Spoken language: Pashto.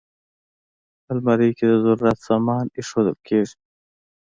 الماري کې د ضرورت سامان ایښودل کېږي